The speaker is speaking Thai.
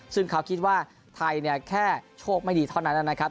ซึ่งเขาคิดว่าไทยเนี่ยแค่โชคไม่ดีเท่านั้นนะครับ